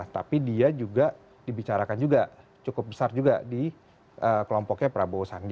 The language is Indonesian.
tapi dia juga dibicarakan juga cukup besar juga di kelompoknya prabowo sandi